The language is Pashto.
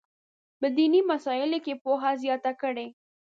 په دیني مسایلو کې پوهه زیاته کړي.